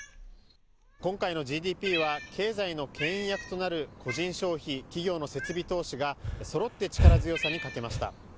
今回のＧＤＰは経済のけん引役となる個人消費、企業の設備投資がそろって力強さに欠けました。